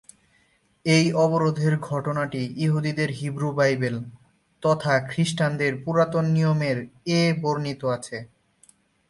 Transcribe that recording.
এই অবরোধের ঘটনাটি ইহুদিদের হিব্রু বাইবেল, তথা খ্রিস্টানদের পুরাতন নিয়মের -এ বর্ণিত রয়েছে।